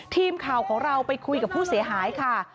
ทีมข่าวของเราไปคุยกับผู้เสียหายค่ะ